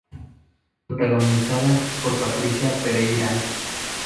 Protagonizada por Patricia Pereyra.